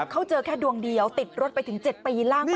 เขาเจอแค่ดวงเดียวติดรถไปถึง๗ปีล่าสุด